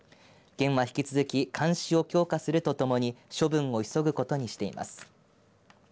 県は引き続き監視を強化するとともに処分を急ぐことにしています。